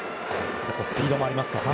スピードもありますからね。